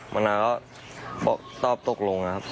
มะนาวก็ตอบตกลง